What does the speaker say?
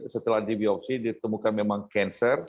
setelah di biopsi ditemukan memang cancer